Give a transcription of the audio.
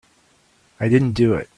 I didn't do it.